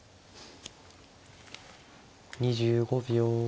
２５秒。